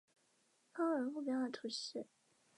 邦奥人口变化图示